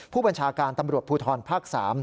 ผู้บัญชาการตำรวจภูทรภาค๓